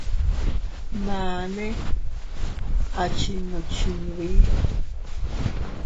Mane a chinnu chinbi.